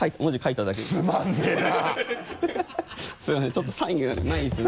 ちょっとサインがないんですね。